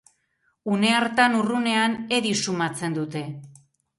Une hartan urrunean Edy sumatzen dute.